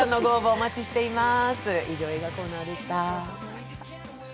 お待ちしてます。